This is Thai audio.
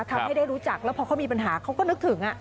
ทำให้ได้รู้จักแล้วพอเขามีปัญหาเขาก็นึกถึง